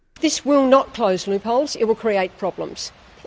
ini tidak akan merusakkan kelompok ini akan menyebabkan masalah